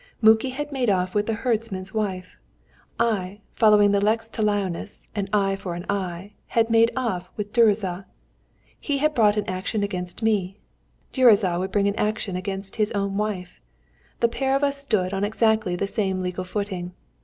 Muki had made off with the herdsman's wife; I, following the lex talionis an eye for eye had made off with Gyuricza. He had brought an action against me; Gyuricza would bring an action against his own wife. The pair of us stood on exactly the same legal footing.